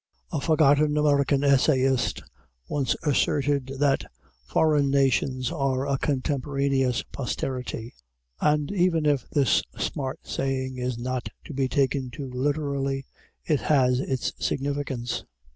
A forgotten American essayist once asserted that "foreign nations are a contemporaneous posterity," and even if this smart saying is not to be taken too literally, it has its significance.